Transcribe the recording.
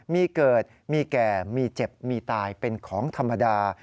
มีเกิดมีแก่มีเจ็บมีตายเป็นของธรรมดา